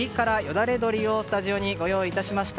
だれ鶏をスタジオにご用意しました。